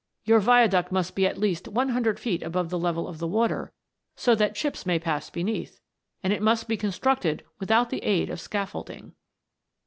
Your viaduct must be at least one hundred feet above the level of the water, so that ships may pass beneath, and it must be constructed without the aid of scaffolding."